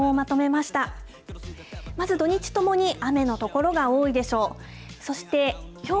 まず土日ともに、雨の所が多いでしょう。